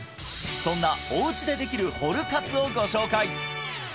そんなお家でできる「ホル活」をご紹介！